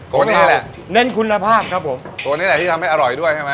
ตัวนี้แหละเน้นคุณภาพครับผมตัวนี้แหละที่ทำให้อร่อยด้วยใช่ไหม